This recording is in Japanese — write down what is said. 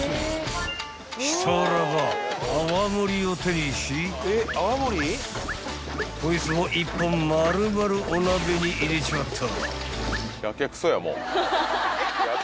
［したらば泡盛を手にしこいつも１本丸々お鍋に入れちまった］